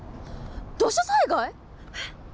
土砂災害？